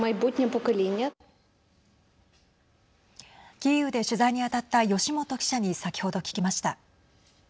キーウで取材に当たった吉元記者に先ほど聞きました。